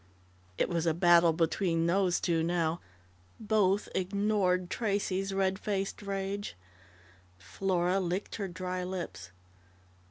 It was a battle between those two now. Both ignored Tracey's red faced rage. Flora licked her dry lips.